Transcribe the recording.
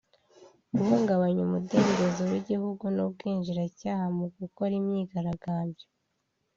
guhungabanya umudendezo w’igihugu n’ubwinjiracyaha mu gukora imyigaragambyo